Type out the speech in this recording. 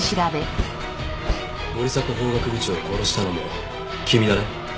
森迫法学部長を殺したのも君だね？